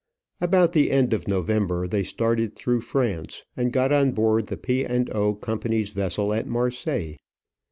About the end of November they started through France, and got on board the P. and O. Company's vessel at Marseilles.